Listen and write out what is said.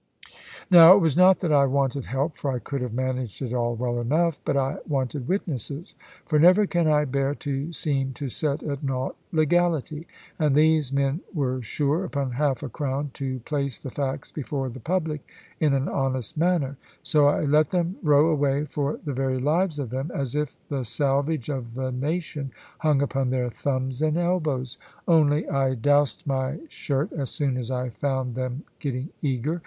Now it was not that I wanted help, for I could have managed it all well enough; but I wanted witnesses. For never can I bear to seem to set at nought legality. And these men were sure, upon half a crown, to place the facts before the public in an honest manner. So I let them row away for the very lives of them, as if the salvage of the nation hung upon their thumbs and elbows; only I dowsed my shirt as soon as I found them getting eager.